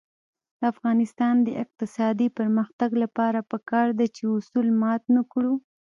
د افغانستان د اقتصادي پرمختګ لپاره پکار ده چې اصول مات نکړو.